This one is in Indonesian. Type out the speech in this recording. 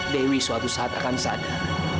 dewi suatu saat akan sadar